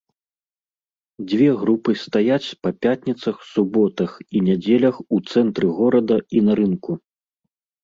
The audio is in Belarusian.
Дзве групы стаяць па пятніцах, суботах і нядзелях у цэнтры горада і на рынку.